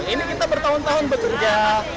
ini kita bertahun tahun bekerja